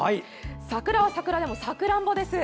桜は桜でも、さくらんぼです。